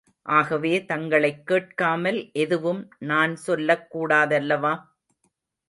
ஆகவே தங்களைக் கேட்காமல் எதுவும் நான்சொல்லக் கூடாதல்லவா?